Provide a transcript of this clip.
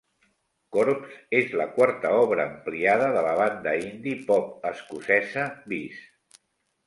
Corps és la quarta obra ampliada de la banda indie pop escocesa Bis.